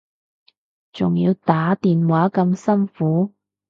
仲要打電話咁辛苦